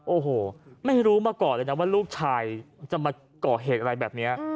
โอ้โหไม่รู้มาก่อนเลยนะว่าลูกชายจะมาก่อเหตุอะไรแบบนี้